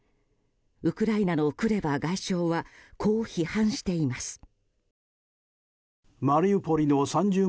ウクライナのクレバ外相はこう批判しています。